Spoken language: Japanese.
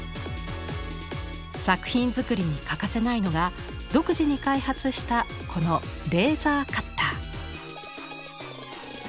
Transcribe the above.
作品作りに欠かせないのが独自に開発したこのレーザーカッター。